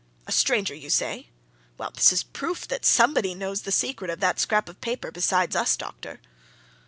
A stranger, you say? Well, this is a proof that somebody knows the secret of that scrap of paper besides us, doctor!"